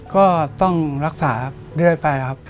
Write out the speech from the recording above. ก็ต้องรักษาเรื่อยไปนะครับ